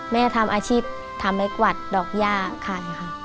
แม่ทำอาชีพทำไม้กวาดดอกย่าขายค่ะ